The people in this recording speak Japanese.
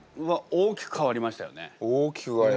大きく変わりました。